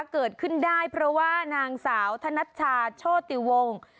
เกิดขึ้นได้เพราะว่านางสาวธนัชชาโชติวงศ์